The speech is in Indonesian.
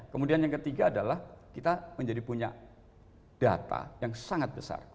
kemudian yang ketiga adalah kita menjadi punya data yang sangat besar